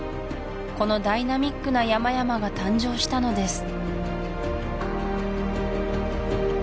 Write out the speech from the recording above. このダイナミックな山々が誕生したのです